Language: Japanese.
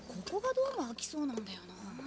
ここがどうも開きそうなんだよなあ。